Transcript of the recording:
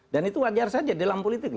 dan itu wajar saja dalam politik